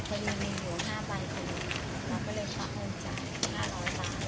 พอดีมีหัวห้าใบคือเราก็เลยคลักเงินจ่าย๕๐๐บาท